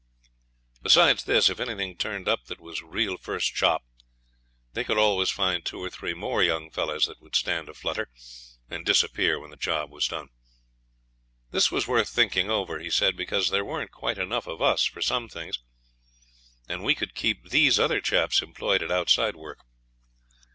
Besides this, if anything turned up that was real first chop, they could always find two or three more young fellows that would stand a flutter, and disappear when the job was done. This was worth thinking over, he said, because there weren't quite enough of us for some things, and we could keep these other chaps employed at outside work.